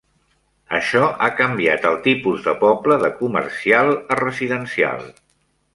Això ha canviat el tipus de poble de comercial a residencial.